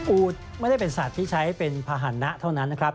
อูดไม่ได้เป็นสัตว์ที่ใช้เป็นภาษณะเท่านั้นนะครับ